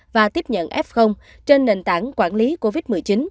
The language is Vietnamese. và tiếp nhận f trên nền tảng quản lý covid một mươi chín